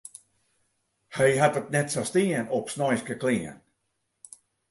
Hy hat it net sa stean op sneinske klean.